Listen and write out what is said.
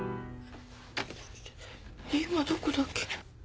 今どこだっけ？